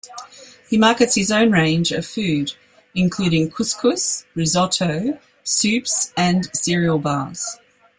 He markets his own range of food, including couscous, risotto, soups and cereal bars.